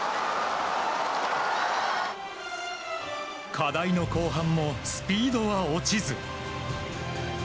課題の後半もスピードは落ちず。